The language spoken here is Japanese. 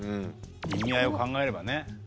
意味合いを考えればね。